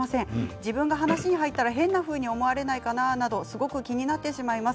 自分が話に入ったら変なふうに思われないかなとすごく気になってしまいます。